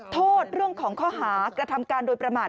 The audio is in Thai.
เรื่องของข้อหากระทำการโดยประมาท